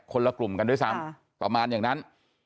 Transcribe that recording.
ละกลุ่มกันด้วยซ้ำประมาณอย่างนั้น